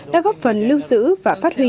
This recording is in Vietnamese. đã góp phần lưu giữ và phát huy